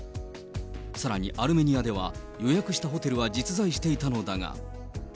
さらにアルメニアでは、予約したホテルは実在していたのだが。